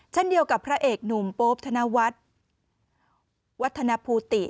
เช่นเดียวกับพระเอกหนุ่มโป๊ปธนวัฒน์วัฒนภูติ